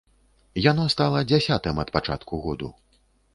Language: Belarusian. Яно стала дзясятым ад пачатку году.